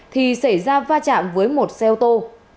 thì xảy ra va chạm với một xe ô tô